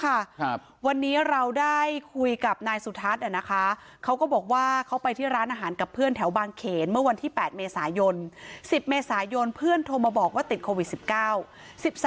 ครับวันนี้เราได้คุยกับนายสุทัศน์อ่ะนะคะเขาก็บอกว่าเขาไปที่ร้านอาหารกับเพื่อนแถวบางเขนเมื่อวันที่๘เมษายน๑๐เมษายนเพื่อนโทรมาบอกว่าติดโควิดสิบเก้า